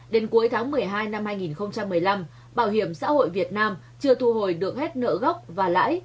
đến cuối tháng một mươi hai năm hai nghìn một mươi năm bảo hiểm xã hội việt nam chưa thu hồi được hết nợ gốc và lãi